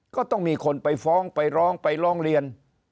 ก็ต้องมีคนไปฟ้องไปร้องไปร้องเรียน